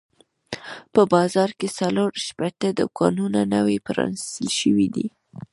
په بازار کې څلور شپېته دوکانونه نوي پرانیستل شوي دي.